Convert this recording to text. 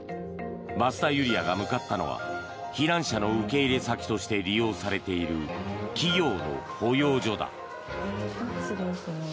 増田ユリヤが向かったのは避難者の受け入れ先として利用されている企業の保養所だ。